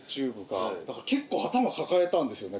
だから結構頭抱えたんですよね